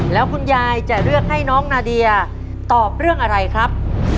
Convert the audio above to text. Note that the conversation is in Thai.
แล้วคุณยายจะเลือกให้น้องนาเดียตอบเรื่องอะไรครับ